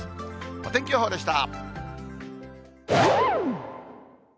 お天気予報でした。